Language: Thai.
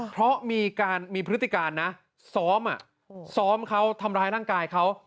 เพราะมีพฤติการซ้อมเขาทำร้ายร่างกายเขา